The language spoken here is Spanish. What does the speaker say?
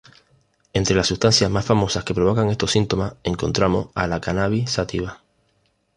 Entre las sustancias más famosas que provocan estos síntomas, encontramos a la cannabis sativa.